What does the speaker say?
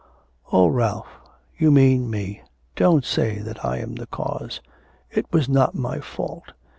'Oh, Ralph, you mean me. Don't say that I am the cause. It was not my fault.